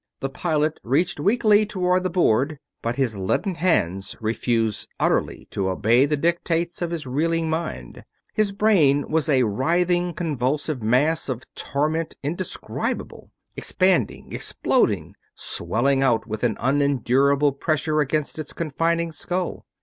The pilot reached weakly toward the board, but his leaden hands refused utterly to obey the dictates of his reeling mind. His brain was a writhing, convulsive mass of torment indescribable; expanding, exploding, swelling out with an unendurable pressure against its confining skull.